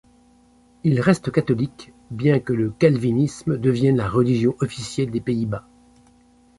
Il reste catholique bien que le calvinisme devienne la religion officielle des Pays-Bas.